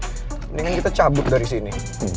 mendingan kita cabut dari sini